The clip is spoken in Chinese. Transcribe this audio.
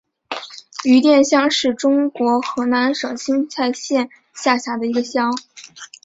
余店乡是中国河南省新蔡县下辖的一个乡。